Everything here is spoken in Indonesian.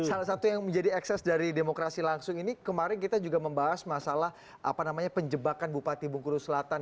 salah satu yang menjadi ekses dari demokrasi langsung ini kemarin kita juga membahas masalah apa namanya penjebakan bupati bengkulu selatan